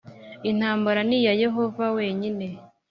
intambara ni iya Yehova wenyine